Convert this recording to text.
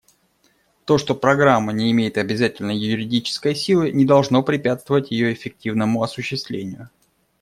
То, что Программа не имеет обязательной юридической силы, не должно препятствовать ее эффективному осуществлению.